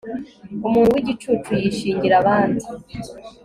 umuntu w'igicucu yishingira abandi